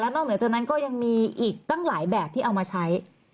นอกเหนือจากนั้นก็ยังมีอีกตั้งหลายแบบที่เอามาใช้